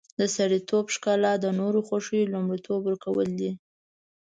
د سړیتوب ښکلا د نورو خوښي لومړیتوب ورکول دي.